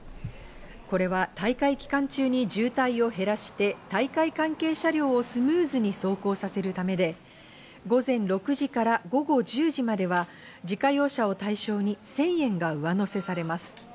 これは大会期間中に渋滞を減らして、大会関係車両をスムーズに走行させるためで、午前６時から午後１０時までは自家用車を対象に１０００円が上乗せされます。